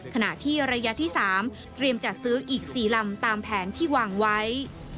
ขณะที่ระยะที่๓เตรียมจัดซื้ออีก๔ลำตามแผนที่วางไว้